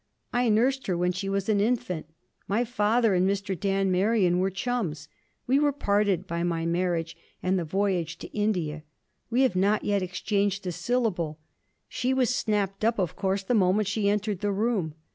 I nursed her when she was an infant; my father and Mr. Dan Merion were chums. We were parted by my marriage and the voyage to India. We have not yet exchanged a syllable: she was snapped up, of course, the moment she entered the room.